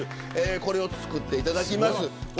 これを作っていただきます。